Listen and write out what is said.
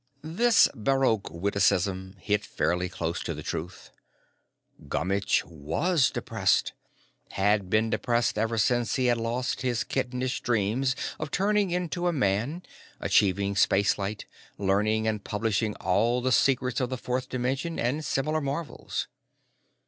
This baroque witticism hit fairly close to the truth. Gummitch was depressed had been depressed ever since he had lost his kittenish dreams of turning into a man, achieving spaceflight, learning and publishing all the secrets of the fourth dimension, and similar marvels.